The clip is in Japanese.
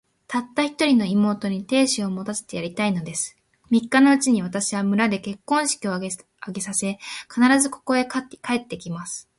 たった一人の妹に、亭主を持たせてやりたいのです。三日のうちに、私は村で結婚式を挙げさせ、必ず、ここへ帰って来ます。